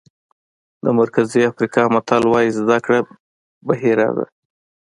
د مرکزي افریقا متل وایي زده کړه بحیره ده.